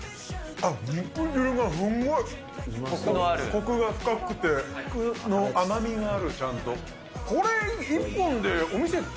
こくが深くて、甘みがある、ちゃんと。